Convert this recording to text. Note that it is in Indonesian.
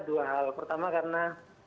dua hal pertama karena